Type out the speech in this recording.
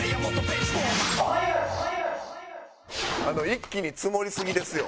一気につもりすぎですよ。